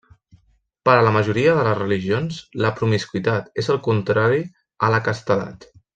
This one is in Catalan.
Per a la majoria de les religions, la promiscuïtat és el contrari a la castedat.